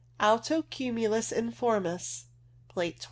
Alto cumulus informis (Plate 25).